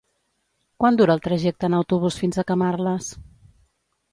Quant dura el trajecte en autobús fins a Camarles?